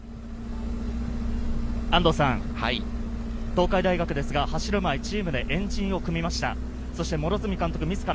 東海大学ですが、走る前、チームで円陣を組みました。